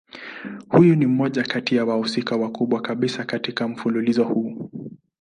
Huyu ni mmoja kati ya wahusika wakubwa kabisa katika mfululizo huu.